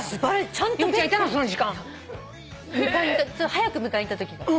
早く迎えに行ったとき。